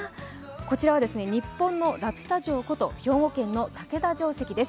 こちらは日本のラピュタ城こと兵庫県です